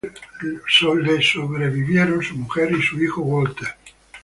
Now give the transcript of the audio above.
Le sobrevivieron su mujer y su hijo Walter.